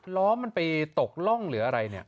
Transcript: ล้อมันไปตกร่องหรืออะไรเนี่ย